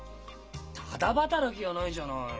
「タダ働き」はないじゃない。